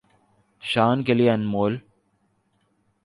شان کے لئے انمول